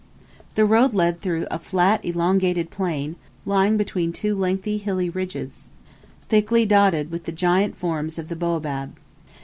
The road led through a flat elongated plain, lying between two lengthy hilly ridges, thickly dotted with the giant forms of the baobab.